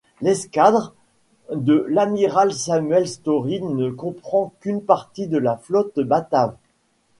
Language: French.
L'escadre de l'amiral Samuel Story ne comprend qu'une partie de la flotte batave.